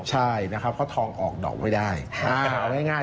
ใช่เพราะทองออกดอกไม่ได้ง่าย